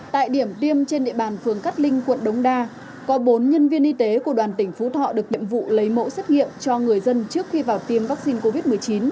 tại điểm tiêm trên địa bàn phường cát linh quận đống đa có bốn nhân viên y tế của đoàn tỉnh phú thọ được nhiệm vụ lấy mẫu xét nghiệm cho người dân trước khi vào tiêm vaccine covid một mươi chín